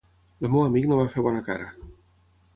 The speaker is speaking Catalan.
El meu amic no va fer bona cara.